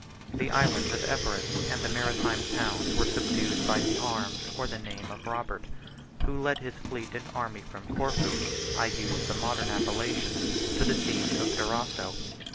The islands of Epirus and the maritime towns were subdued by the arms or the name of Robert, who led his fleet and army from Corfu (I use the modern appellation) to the siege of Durazzo.